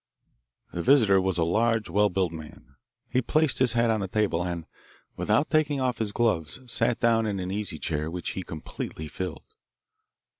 The visitor was a large, well built man. He placed his hat on the table and, without taking off his gloves, sat down in an easy chair which he completely filled.